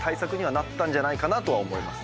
んじゃないかなとは思います。